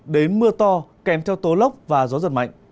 đến mưa to kèm theo tố lốc và gió giật mạnh